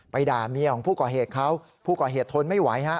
ด่าเมียของผู้ก่อเหตุเขาผู้ก่อเหตุทนไม่ไหวฮะ